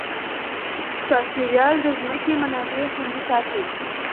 چاپیریال د ځمکې منابع خوندي ساتي.